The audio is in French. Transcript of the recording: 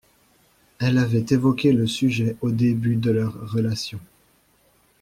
Elle avait évoqué le sujet au début de leur relation.